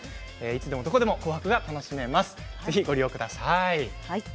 いつでもどこでも「紅白」が楽しめます。